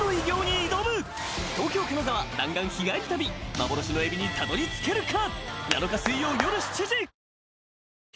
［幻のエビにたどり着けるか］